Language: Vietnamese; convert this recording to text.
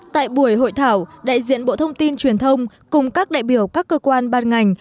tại buổi hội thảo đại diện bộ thông tin truyền thông cùng các đại biểu các cơ quan ban ngành